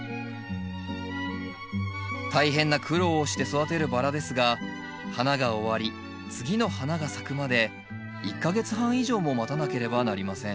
大変な苦労をして育てるバラですが花が終わり次の花が咲くまで１か月半以上も待たなければなりません。